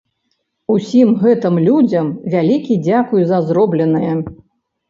Усім гэтым людзям вялікі дзякуй за зробленае.